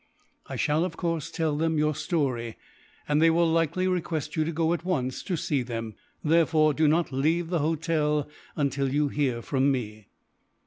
I shall, of course, tell them your story; and they will likely request you to go, at once, to see them; therefore, do not leave the hotel until you hear from me."